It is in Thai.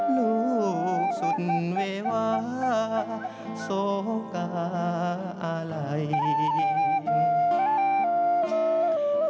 ลูกสุดเววาโศกาอาไหล